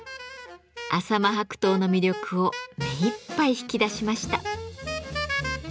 浅間白桃の魅力を目いっぱい引き出しました。